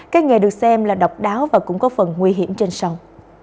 cây nghề được xem là độc đáo và cũng có phần nguy hiểm trên sông